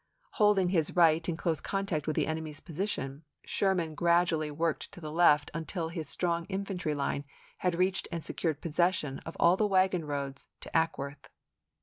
Holding his right in close pp. m, 45. contact with the enemy's position, Sherman gradu ally worked to the left until his strong infantry line had reached and secured possession of all the wagon roads to Ackworth.